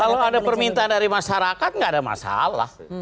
kalau ada permintaan dari masyarakat nggak ada masalah